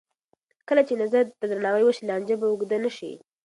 کله چې نظر ته درناوی وشي، لانجه به اوږده نه شي.